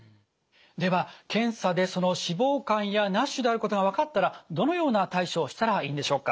では検査でその脂肪肝やＮＡＳＨであることが分かったらどのような対処をしたらいいんでしょうか？